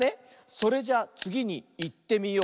「それじゃつぎにいってみよう」